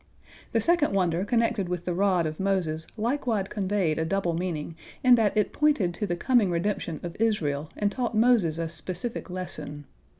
The second wonder connected with the rod of Moses likewise conveyed a double meaning, in that it pointed to the coming redemption of Israel, and taught Moses a specific lesson.